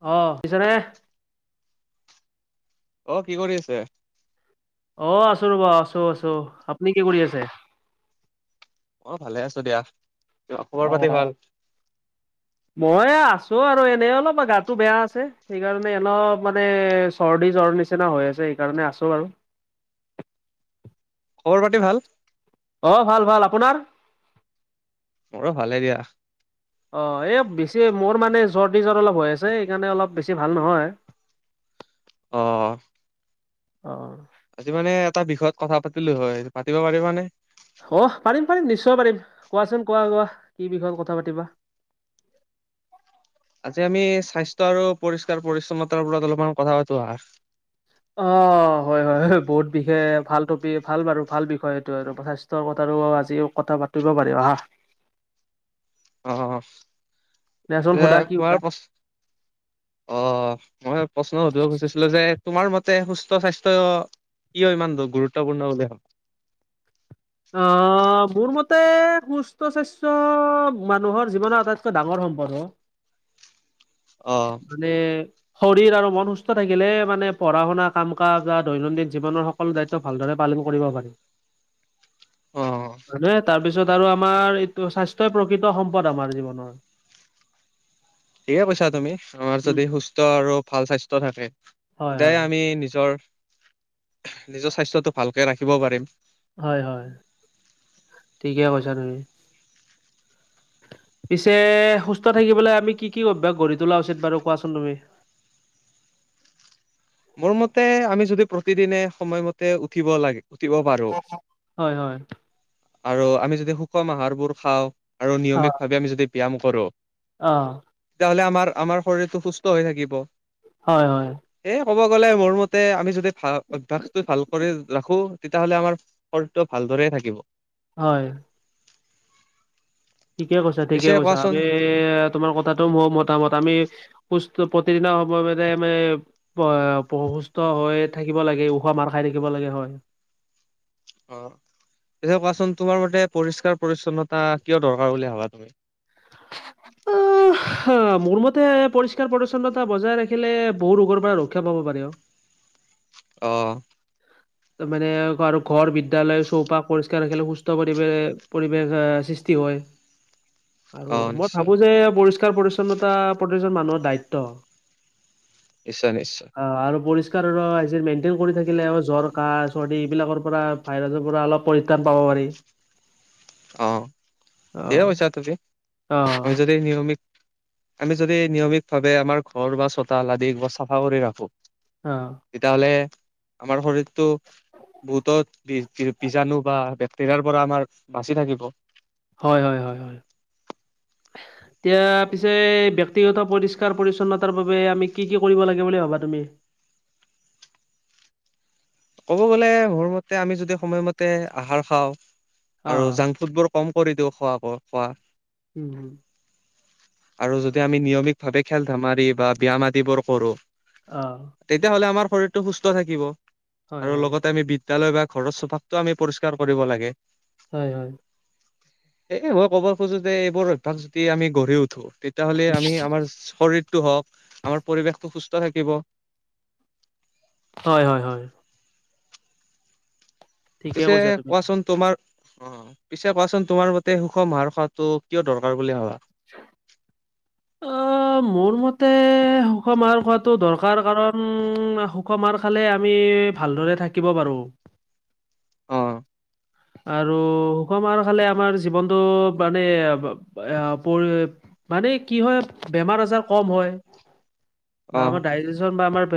অ' [unintelligible] নে? অ' কি কৰি আছে? অ' আছো ৰ'বা আছো, আছো। আপনি কি কৰি আছে? অ', ভালে আছোঁ দিয়া। অ' খবৰ পাতি ভাল? মই এয়া আছোঁ আৰু এনে অলপমান গাটো বেয়া আছে। সেইকাৰণে অলপ মানে - চৰ্দি জ্বৰ নিচিনা হৈ আছে সেইকাৰণে আছোঁ আৰু। খবৰ পাতি ভাল? অ', ভাল ভাল। আপোনাৰ? মোৰো ভালে দিয়া। অ', এই বেছি মোৰ মানে চৰ্দি জ্বৰ অলপ হৈ আছে, সেইকাৰণে অলপ বেছি ভাল নহয়। অহ। অহ। আজি মানে এটা বিষয়ত কথা পাতিলোঁ হয়। পাতিব পাৰিবানে? হ', পাৰিম পাৰিম, নিশ্চয় পাৰিম। কোৱাচোন কোৱা কোৱা, কি বিষয়ত কথা পাতিবা? আজি আমি স্বাস্থ্য আৰু পৰিষ্কাৰ পৰিচ্ছন্নতাৰ ওপৰত অলপমান কথা পাতো আহা। অ', হয় হয় হয়, বহুত বিশে ভাল টপি, ভাল বাৰু, ভাল বিষয় এইটো আৰু। প্ৰচেছ- টোৰ কথাও আজি কথা পাতিব পাৰি, আহা। অ', দিয়াচোন এয়া সোধা কি কোৱাৰ পচ- অ', মই প্ৰশ্ন সুধিব খুজিছিলোঁ যে, তোমাৰ মতে সুস্থ স্বাস্থ্য - কিয় ইমান গুৰুত্বপূৰ্ণ বুলি ভাৱা? অ'। অ', মোৰ মতে সুস্থ স্বাস্থ্য মানুহৰ জীৱনৰ আটাইতকৈ ডাঙৰ সম্পৰ্ক। [unintelligible] অ যোনে - শৰীৰ আৰু মন সুস্থ থাকিলে মানে, পঢ়া-শুনা, কাম-কাজ বা দৈনন্দিন জীৱনৰ স- সকলো দায়িত্ব ভালদৰে পালন কৰিব পাৰি। অহ। হয়নে। তাৰপিছত আৰু আমাৰ এইটো স্বাস্থ্যই প্ৰকৃত সম্পদ আমাৰ জীৱনৰ। ঠিকে কৈছা তুমি। আমাৰ উম যদি সুস্থ আৰু ভাল স্বাস্থ্য থাকে। হয় তেতিয়াহে হয় আমি নিজৰ, নিজৰ স্বাস্থ্যটো ভালকে ৰাখিব পাৰিম। হয় হয়, ঠিকে কৈছা তুমি। পিছে, সুস্থ থাকিবলৈ আমি কি কি অভ্যাস গঢ়ি তোলা উচিত বাৰু? কোৱাচোন তুমি। মোৰ মতে, আমি যদি প্ৰতিদিনে সময়মতে উঠিব লাগে। উঠিব পাৰোঁ। হয় হয় আৰু আমি যদি সুষম আহাৰবোৰ খাওঁ, - আৰু নিয়মিতভাৱে আমি যদি ব্যায়াম কৰোঁ, - অহ। তেতিয়াহ'লে আমাৰ, আমাৰ শৰীৰটো সুস্থ হৈ থাকিব। হয় হয়। এ' ক'ব গ'লে মোৰ মতে, আমি যদি ভা-অভ্যাসটো ভাল কৰি ৰাখোঁ, তেতিয়াহ'লে আমাৰ - শৰীৰটো ভালদৰে থাকিব। হয়। ঠিকে কৈছা, ঠিকে পিছে কৈছা। কোৱাচোন আমি তোমাৰ কথাটো ম-মতামত আমি - পুস্থ, প্ৰতিদিনা সময় মানে আমি - পয়-প্ৰসুস্থ হৈ থাকিব লাগে। ওখ মাৰ খাই থাকিব লাগে। হয়। অহ। পিছে কোৱাচোন, তোমাৰ মতে পৰিষ্কাৰ পৰিচ্ছন্নতা কিয় দৰকাৰ বুলি ভাবা তুমি? [unintelligible] হা', মোৰ মতে, পৰিষ্কাৰ পৰিচ্ছন্নতা বজাই ৰাখিলে বহু ৰোগৰ পৰা ৰক্ষা পাব পাৰি অ'। অহ। তাৰ মানে আৰু ঘৰ, বিদ্যালয়, চৌপাশ পৰিষ্কাৰ খেলে সুস্থ পৰিৱেশ পৰিৱেশ সৃষ্টি হয়। অ আৰু মই নিশ্চয় ভাবো যে পৰিষ্কাৰ- পৰিচ্ছন্নতা প্ৰতিজন মানুহৰ দায়িত্ব। নিশ্চয়- নিশ্চয়। অ, আৰু পৰিষ্কাৰ মেইনটেইন কৰি থাকিলে আৰু জ্বৰ কাহ, চৰ্দি এইবিলাকৰ পৰা ভাইৰাছৰ পৰা অলপ পৰিত্ৰাণ পাব পাৰি। অ, অ ঠিকে কৈছা তুমি। অ। আমি নিয়মিত আমি যদি নিয়মিত ভাৱে আমাৰ ঘৰ বা চোতাল আদি চাফা কৰি ৰাখোঁ। অ। তেতিয়াহ'লে আমাৰ শৰীৰটো বহুতত বীজাণু বা বেক্টেৰিয়াৰ পৰা আমাৰ বাচি থাকিব। হয়- হয়- হয়- হয়। [inaudible] এতিয়া পিছে ব্যক্তিগত পৰিষ্কাৰ পৰিচ্ছন্নতাৰ বাবে আমি কি কি কৰিব লাগে বুলি ভাবা তুমি? ক'ব গ'লে মোৰ মতে আমি যদি সময়মতে আহাৰ খাওঁ অ আৰু জাংক ফুড বোৰ কম কৰি দিওঁ খোৱা। বহুত খোৱা। উম, হুম। আৰু যদি আমি নিয়মিত ভাৱে খেল- ধেমালি বা ব্যায়াম আদিবোৰ কৰোঁ। অ। তেতিয়াহ'লে আমাৰ শৰীৰটো সুস্থ থাকিব। হয় আৰু হয় লগতে আমি বিদ্যয়ালয় বা ঘৰৰ চৌপাশত টো আমি পৰিষ্কাৰ কৰিব লাগে। হয়- হয়। এ মই ক'ব খোজোঁ যে এইবোৰ অভ্যাস যদি আমি গঢ়ি উঠো। তেতিয়াহ'লে আমি আমাৰ শৰীৰটো হওঁক, আমাৰ পৰিৱেশটো সুস্থ থাকিব। হয়- হয়- হয়। ঠিকে পিছে কৈছা তুমি কোৱাচোন তোমাৰ অ, পিছে কোৱাচোন তোমাৰ মতে সুষম আহাৰ খোৱাটো কিয় দৰকাৰ বুলি ভাবা? [unintelligible] অ [inaudible] মোৰ মতে, সুষম আহাৰ খোৱাটো দৰকাৰ কাৰণ সুষম আহাৰ খালে আমি ভালদৰে থাকিব পাৰোঁ। অ আৰু সুষমাৰ খালে আমাৰ জীৱনটো মানে এ পৰি মানে কি হয়, বেমাৰ আজাৰ কম হয়। অ আমাৰ ডাইজেচন বা আমাৰ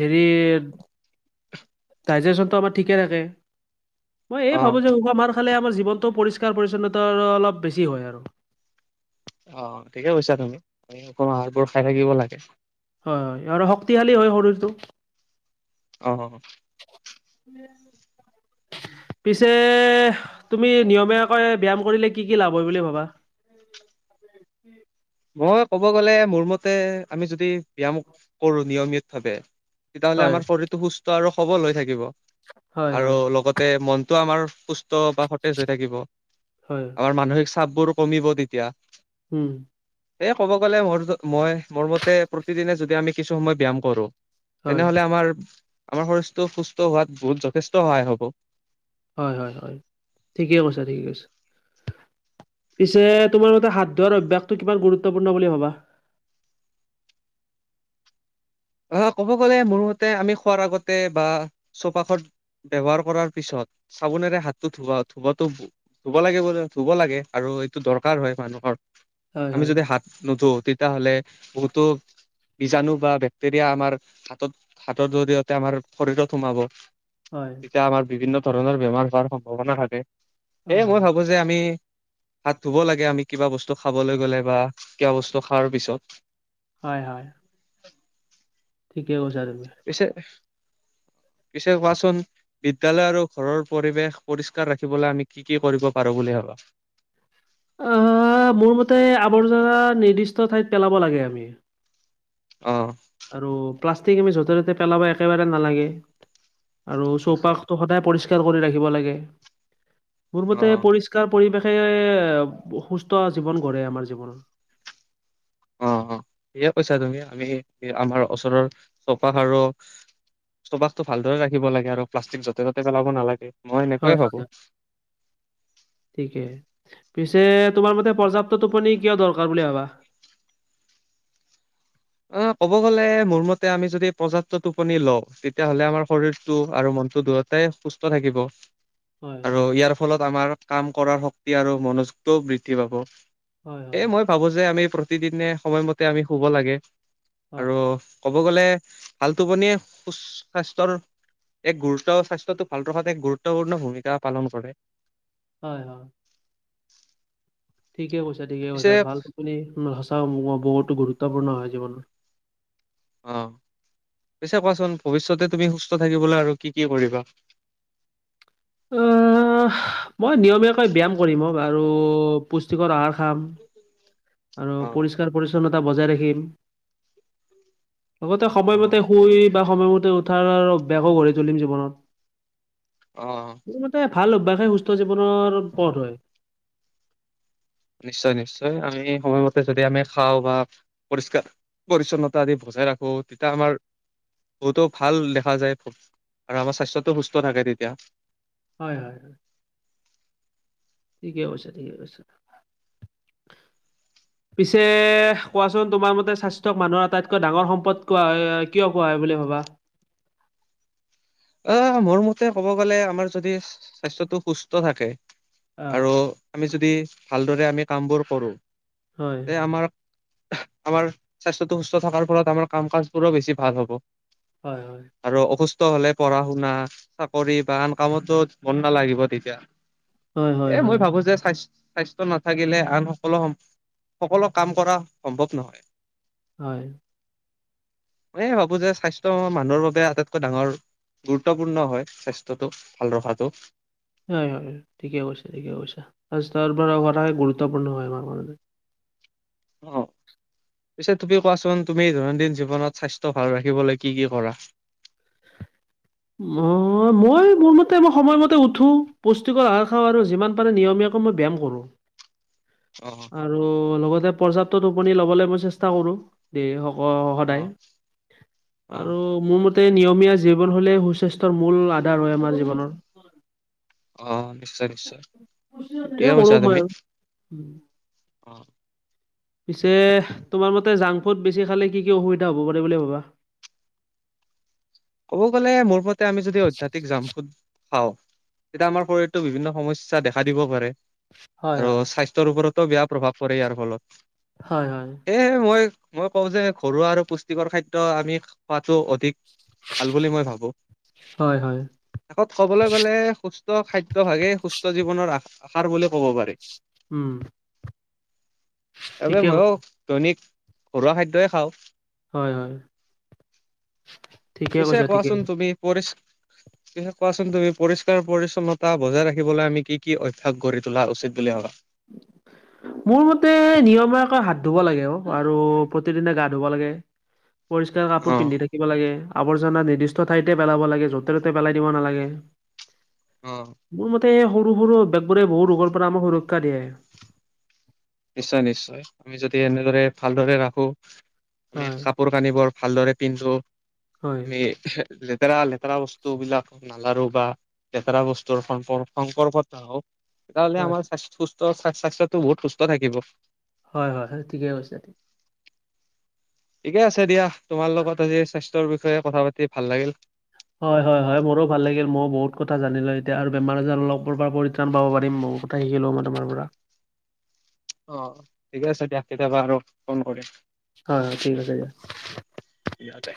হেৰি ডাইজেচনটো আমাৰ ঠিকে থাকে। মই অ এই ভাবোঁ যে সুষম আহাৰ ফালে আমাৰ জীৱনটো পৰিষ্কাৰ পৰিচ্ছন্নতা আৰু অলপ বেছি হয় আৰু। অ, ঠিকে কৈছা তুমি। সুষম আহাৰবোৰ খাই থাকিব লাগে। ধৰক, শক্তিশালী হয় শৰীৰটো। অ। [unintelligible] [inaudible] পিছে তুমি নিয়মীয়াকৈ ব্যায়াম কৰিলে কি কি লাভ হয় বুলি ভাবা? মই ক'ব গ'লে মোৰ মতে, আমি যদি ব্যায়াম কৰোঁ নিয়মিয়াত ভাবে। তেতিয়াহ'লে হয় আমাৰ শৰীৰটো সুস্থ আৰু সবল হৈ থাকিব। হয় আৰু হয় লগতে মনটো আমাৰ সুস্থ বা সতেজ হৈ থাকিব। হয় আমাৰ মানসিক চাপ বোৰো কমিব তেতিয়া। উম। এ ক'ব গ'লে মোৰ মই মোৰ মতে প্ৰতিদিনে যদি আমি কিছু সময় ব্যায়াম কৰোঁ‌ হয় তেনেহ'লে আমাৰ আমাৰ শৰীৰটো সুস্থ হোৱাত বহুত যথেষ্ট সহায় হ'ব। হয়-হয়-হয় ঠিকে কৈছা, ঠিকে কৈছা। পিছে তোমাৰ মতে হাত ধোৱাৰ অভ্যাসটো কিমান গুৰুত্বপূৰ্ণ বুলি ভাবা? অ', ক'ব গ'লে মোৰ মতে আমি খোৱাৰ আগতে বা চৌপাশত ব্যৱহাৰ কৰাৰ পিছত চাবোনেৰে হাতটো ধুবা ধুবাটো ধুব লাগে বোলো ধুব লাগে আৰু এইটো দৰকাৰ হয় মানুহৰ। হয় আমি হয় যদি হাত নুধো তেতিয়া হ'লে বহুতো বীজাণু বা বে ক্তেৰিয়া আমাৰ হাতত, হাতৰ জৰিয়তে আমাৰ শৰীৰত সোমাব। হয়। এতিয়া আমাৰ বিভিন্ন ধৰণৰ বেমাৰ হোৱাৰ সম্ভাৱনা থাকে হয় সেয়ে মই হয় ভাবোঁ‌ যে আমি হাত ধুব লাগে আমি কিবা বস্তু খাবলৈ গ'লে বা কিবা বস্তু খোৱাৰ পিছত। হয় হয়। ঠিকে কৈছা তুমি। পিছে, পিছে কোৱাচোন বিদ্যালয় আৰু ঘৰৰ পৰিৱেশ পৰিষ্কাৰ ৰাখিবলৈ আমি কি কি কৰিব পাৰোঁ বুলি ভাবা? অ', মোৰ মতে আৱৰ্জনা নিৰ্দিষ্ট ঠাইত পেলাব লাগে আমি। অ'। আৰু প্লাষ্টিক আমি য'তে ততে পেলাব একেবাৰে নালাগে। আৰু নিশ্চয় চৌপাশটো সদায় পৰিষ্কাৰ কৰি ৰাখিব লাগে, মোৰ অ মতে পৰি পৰিষ্কাৰ পৰিৱেশে সুস্থ জীৱন গঢ়ে আমাৰ জীৱনত। অ'-অ' ঠিকে কৈছা তুমি, আমি আমাৰ ওচৰৰ চৌপাশ আৰু চৌপাশটো ভালদৰে ৰাখিব লাগে আৰু প্লাষ্টিক য'তে ত'তে পেলাব নালাগে। মই হয়, এনেকৈয়ে ভাবো হয়-হয়। [inaudible] ঠিকে পিছে তোমাৰ মতে পৰ্যাপ্ত টোপনি কিয় দৰকাৰ বুলি ভাবা? অ', ক'ব গ'লে মোৰ মতে আমি যদি পৰ্যাপ্ত টোপনি লওঁ তেতিয়া হ'লে আমাৰ শৰীৰতটো আৰু মনটো দূৰত তে সুস্থ থাকিব। হয় আৰু ইয়াৰ ফলত আমাৰ কাম কৰাৰ শক্তি আৰু মনোযোগটোও বৃদ্ধি পাব। হয় হয় সেয়ে মই ভাবোঁ‌ যে আমি প্ৰতিদিনে সময়মতে আমি শুব লাগে। আৰু হয়। ক'ব গ'লে ভাল টোপনিয়ে সু-স্বাস্থ্যৰ এক গুৰুত্ব স্বাস্থ্যটো ভাল ৰখাত এক গুৰুত্বপূৰ্ণ ভূমিকা পালন কৰে। হয়-হয়। ঠিকে কৈছা, ঠিকে পিছে কৈছা। ভাল টুপনি সঁচাও বহুতো গুৰুত্বপূৰ্ণ হয় জীৱনত। অ', পিছে কোৱাচোন ভৱিষ্যতে তুমি সুস্থ থাকিবলৈ আৰু কি কি কৰিবা? অ', মই নিয়মীয়াকৈ ব্যায়াম কৰিম আৰু পুষ্টিকৰ আহাৰ খাম। আৰু অ পৰিষ্কাৰ পৰিচ্ছন্নতা বজাই ৰাখিম। লগতে অ সময়মতে শুই বা সময়মতে উঠাৰ অভ্যাসো গঢ়ি তুলিম জীৱনত। অ'। মোৰ মতে ভাল অভ্যাসে সুস্থ জীৱনৰ পথ হয়। নিশ্চয় নিশ্চয়, আমি সময়মতে যদি আমি খাওঁ বা পৰিষ্কাৰ পৰিচ্ছন্নতা আদি বজাই ৰাখো তেতিয়া আমাৰ। বহুতো ভাল দেখা যায় আৰু আমাৰ স্বাস্থ্যটো সুস্থ থাকে তেতিয়া। হয় হয় হয় ঠিকে কৈছে ঠিকে কৈছে পিছে কোৱাচোন তোমাৰ মতে স্বাস্থ্যক মানুহৰ আটাইতকৈ ডাঙৰ সম্পদ কোৱা হয় কিয় কোৱা হয় বুলি ভাবা? অ মোৰ মতে ক'ব গ'লে আমাৰ যদি স্বাস্থ্যটো সুস্থ থাকে। অ আৰু আমি যদি ভালদৰে আমি কামবোৰ কৰোঁ হয় তে আমাৰ আমাৰ স্বাস্থ্যটো সুস্থ থকাৰ ফলত আমাৰ কাম কাজবোৰো বেছি ভাল হ'ব হয় হয় আৰু অসুস্থ হ'লে পঢ়া শুনা চাকৰি বা আন কামতো মন নালাগিব তেতিয়া হয় হয় এ মই হয় ভাবো যে স্বাস্ স্বাস্থ্য নাথাকিলে আন সকলো সকলো কাম কৰা সম্ভৱ নহয় হয় মই ভাবো যে স্বাস্থ্য মানুহৰ বাবে আটাইতকৈ ডাঙৰ গুৰুত্বপূৰ্ণ হয় স্বাস্থ্যটো ভাল ৰখাটো হয় হয় ঠিকে কৈছে ঠিকে কৈছে ফাৰ্ষ্টৰ পৰা হোৱাটাকে গুৰুত্বপূৰ্ণ হয় আমাৰ কাৰণে অ পিছে তুমি কোৱাচোন তুমি দৈনন্দিন জীৱনত স্বাস্থ্য ভাল ৰাখিবলৈ কি কি কৰা মই মই মোৰ মতে মই সময়মতে উঠো পুষ্টিকৰ আহাৰ খাওঁ আৰু যিমান পাৰে নিয়মীয়া মই ব্যায়াম কৰোঁ অ আৰু লগতে পৰ্যাপ্ত টোপনি ল'বলৈ মই চেষ্টা কৰো দে হক অ সদায় অ আৰু মোৰ মতে নিয়মীয়া জীৱন হ'লে সুস্বাস্থ্যৰ মূল আধাৰ হয় আমাৰ জীৱনৰ অ নিশ্চয় নিশ্চয় ঠিকে তেওঁ কৈছা কৰোঁ তুমি মই, উম অ পিছে তোমাৰ মতে জাংক ফুড বেছি খালে কি কি অসুবিধা হ'ব পাৰে বুলি ভাবা ক'ব গ'লে মোৰ মতে আমি যদি অত্যাধিক জাংক ফুড খাওঁ তেতিয়া আমাৰ শৰীৰতো বিভিন্ন সমস্যা দেখা দিব পাৰে হয়, আৰু হয়। স্বাস্থ্যৰ ওপৰতো বেয়া প্ৰভাৱ পৰে ইয়াৰ ফলত হয় হয় সেয়হে মই মই কওঁ যে ঘৰুৱা আৰু পুষ্টিকৰ খাদ্য আমি খোৱাতো অধিক ভাল বুলি মই ভাবো হয়, হয়, শেষত কবলৈ গলে সুস্থ খাদ্যভাগে সুস্থ জীৱনৰ আহাৰ বুলি ক'ব পাৰি উম আবে ঠিকে ময়ো কৈছা, দৈনিক ঘৰুৱা খাদ্যই খাওঁ হয় হয় ঠিকে পিছে কৈছা ঠিকে কোৱাচোন কৈছা। তুমি পৰি পিছে কোৱাচোন তুমি পৰিষ্কাৰ পৰিচ্ছনতা বজাই ৰাখিবলৈ আমি কি কি অভ্যাস গঢ়ি তুলা উচিত বুলি ভাবা [unintelligible] মোৰ মতে নিয়মীয়াকৈ হাত ধুব লাগে অ আৰু প্ৰতিদিনে গা ধুব লাগে পৰিষ্কাৰ অ কাপোৰ পিন্ধি থাকিব লাগে আৱৰ্জনা নিৰ্দিষ্ট ঠাইতে পেলাব লাগে য'তে ত'তে পেলাই দিব নালাগে অ' মোৰ মতে, এই সৰু সৰু বেগবোৰে বহু ৰোগৰ পৰা আমাক সুৰক্ষা দিয়ে। নিশ্চয়, নিশ্চয় আমি যদি এনেদৰে ভালদৰে ৰাখো। আমি হয় কাপোৰ কানিবোৰ ভালদৰে পিন্ধো হয়। আমি- লেতেৰা, লেতেৰা বস্তু বিলাক নালাৰো বা লেতেৰা বস্তুৰ সম্প সম্পৰ্কত নাহো। তেতিয়াহ'লে হয় আমাৰ স্বা সুস্থ স্বাস্থ্যটো বহুত সুস্থ থাকিব। হয়, হয় হয় সেইটো ঠিকে কৈছে ঠিকে আছে দিয়া, তোমাৰ লগত আজি স্বাস্থ্যৰ বিষয়ে কথা পাতি ভাল লাগিল। হয়, হয়, হয় মোৰো ভাল লাগিল মইও বহুত কথা জানিলো এতিয়া আৰু বেমাৰ আজাৰ অলপ পৰা পৰিত্ৰাণ পাব পাৰিম ম, শিকি লওঁ মই তোমাৰ পৰা। অ' ঠিকে আছে দিয়া কেতিয়াবা আৰু ফোন কৰিম। হয় হয় ঠিক আছে দিয়া। ইহঁতে,